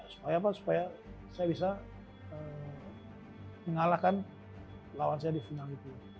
supaya saya bisa mengalahkan lawan saya di final itu